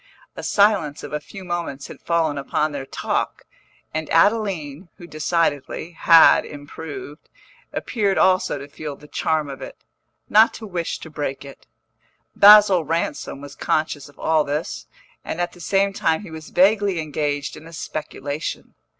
A silence of a few moments had fallen upon their talk, and Adeline who decidedly had improved appeared also to feel the charm of it, not to wish to break it. Basil Ransom was conscious of all this, and at the same time he was vaguely engaged in a speculation.